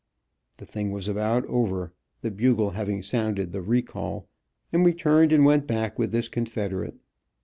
The thing was about over, the bugle having sounded the "recall," and we turned and went back with this Confederate.